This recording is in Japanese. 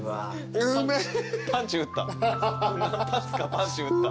パンチ打った。